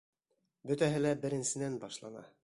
Бөтәһе лә беренсенән башлана.